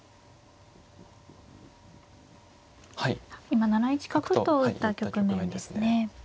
今７一角と打った局面ですね。